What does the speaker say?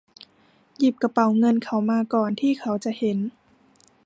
หยิบกระเป๋าเงินเขามาก่อนที่เค้าจะเห็น